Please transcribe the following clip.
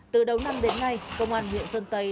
từ đầu năm đến nay công an huyện sơn tây